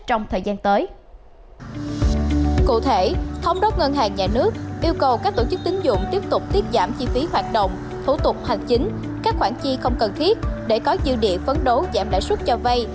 trong đó ngân hàng nhà nước yêu cầu các tổ chức tính dụng tiếp tục tiết giảm chi phí hoạt động thủ tục hành chính các khoản chi không cần thiết để có dư địa phấn đấu giảm lãi suất cho vay